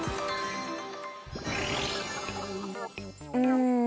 うん。